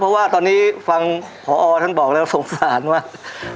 เพราะว่าตอนนี้ฟังพอท่านบอกแล้วสงสารว่า